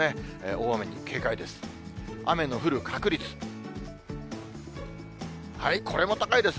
大雨に警戒です。